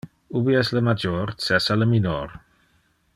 Ubi es le major, cessa le minor.